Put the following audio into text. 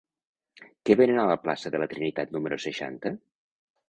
Què venen a la plaça de la Trinitat número seixanta?